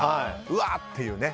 うわーっていうね。